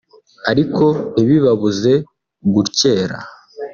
ariko ntibibabuze gutyera